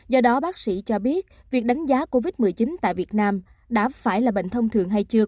do đó bác sĩ cho biết việc đánh giá covid một mươi chín tại việt nam đã phải là bệnh thông thường hay chưa